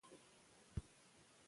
سند لیکل کېده.